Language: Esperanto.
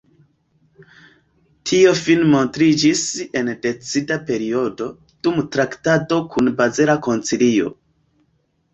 Tio fine montriĝis en decida periodo, dum traktado kun bazela koncilio.